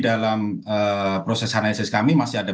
dalam proses analisis kami masih ada